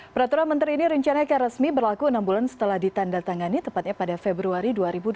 peraturan menteri ini rencanakan resmi berlaku enam bulan setelah ditanda tangani tepatnya pada februari dua ribu dua puluh